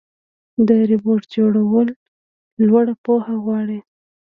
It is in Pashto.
د روبوټ جوړول لوړه پوهه غواړي.